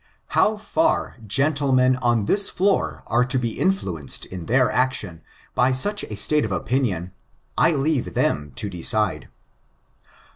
How far gentlemen on this floor are to be influenced in their action by such a state of opinion, I leave them to decide."